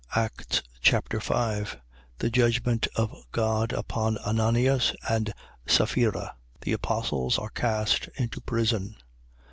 Acts Chapter 5 The judgment of God upon Ananias and Saphira. The apostles are cast into prison.